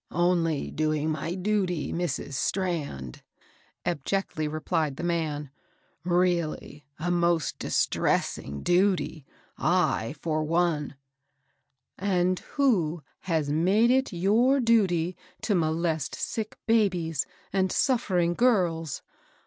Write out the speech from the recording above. " Only doing my duty, Mrs. Strand," abjectly replied the man ;*^ really a most distressing duty! ly for one "— .And who has made it your duty to molest sick babies and suffering girls